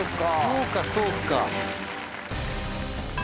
そうかそうか。